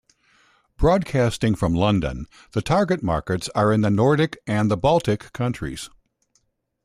Broadcasting from London, the target markets are in the Nordic and the Baltic Countries.